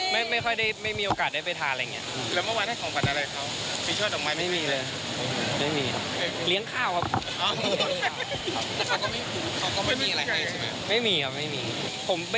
เหมือนกันนะแต่ดูนิ่งไม่ให้หวือว่ะ